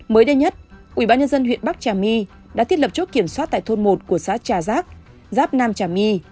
mới đây nhất ubnd huyện bắc trà my đã thiết lập chốt kiểm soát tại thôn một của xã trà giác giáp nam trà my